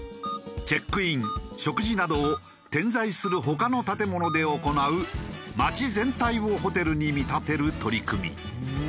チェックイン食事などを点在する他の建物で行う町全体をホテルに見立てる取り組み。